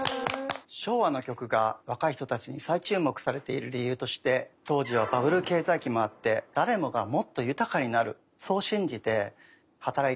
昭和の曲が若い人たちに再注目されている理由として当時はバブル経済期もあって誰もがもっと豊かになるそう信じて働いていた時代だった。